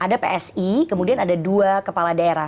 ada psi kemudian ada dua kepala daerah